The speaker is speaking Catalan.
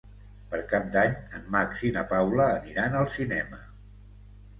Per Cap d'Any en Max i na Paula aniran al cinema.